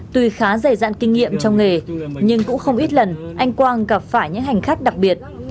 tuy khá dày dạn kinh nghiệm trong nghề nhưng cũng không ít lần anh quang gặp phải những hành khách đặc biệt